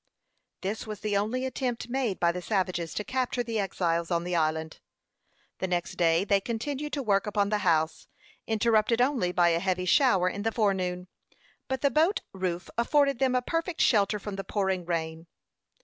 This was the only attempt made by the savages to capture the exiles on the island. The next day, they continued to work upon the house, interrupted only by a heavy shower in the forenoon; but the boat roof afforded them a perfect shelter from the pouring rain.